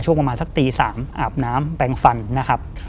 ประมาณสักตี๓อาบน้ำแปลงฟันนะครับ